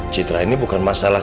citra ini bukan masalah